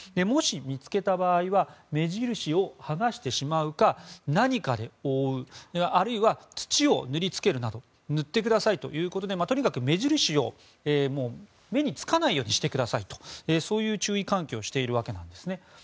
もし見つけた場合は目印を剥がしてしまうか何かで覆うあるいは土を塗りつけるなど塗ってくださいということでとにかく目印を目につかないようにしてくださいとそういう注意喚起をしているわけです。